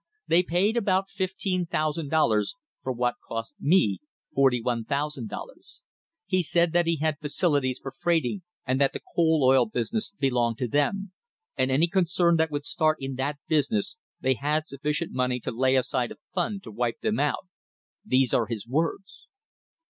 They paid about $15,000 for what cost me $41,000. He said that he had facilities for freighting and that the coal oil business belonged to them; and any concern that would start in that business, they had sufficient money to lay aside a fund to wipe them out — these are the words."